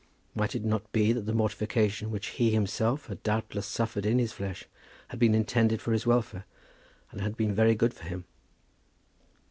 Might it not be that the mortification which he himself had doubtless suffered in his flesh had been intended for his welfare, and had been very good for him?